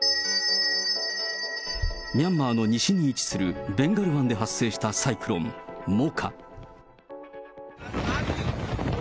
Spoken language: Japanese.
ミャンマーの西に位置するベンガル湾で発生したサイクロン・モカ。